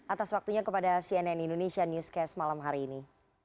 atas waktunya kepada cnn indonesia newscast malam hari ini